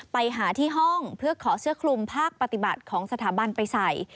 ไปหาที่ห้องเพื่อขอเสื้อคลุมภาคปฏิบัติของสถาบันไปใส่